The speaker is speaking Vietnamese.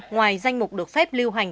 ngoài danh mục được phép lưu hành